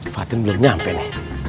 makanan buat apa ini